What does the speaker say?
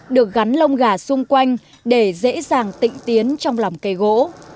được gắn lông gà xung quanh để dễ dàng tịnh tiến trong lòng cây gỗ